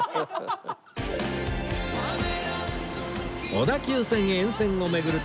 小田急線沿線を巡る旅